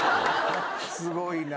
すごいな。